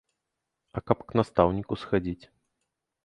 А каб к настаўніку схадзіць?